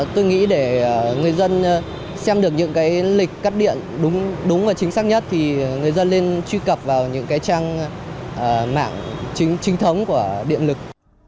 tôi nghĩ để người dân xem được những cái lịch cắt điện đúng và chính xác nhất thì người dân nên truy cập vào những cái trang mạng chính trinh thống của điện lực